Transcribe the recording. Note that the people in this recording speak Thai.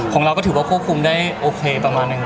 ของเราก็ถือว่าควบคุมได้โอเคประมาณหนึ่ง